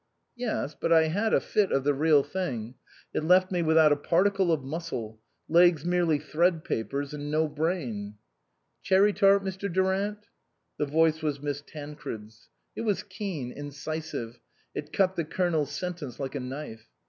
" Yes. But I had a fit of the real thing. It left me without a particle of muscle legs mere thread papers, and no brain "" Cherry tart, Mr. Durant? " The voice was Miss Tancred's. It was keen, incisive ; it cut the Colonel's sentence like a knife.